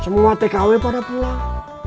semua tkw pada pulang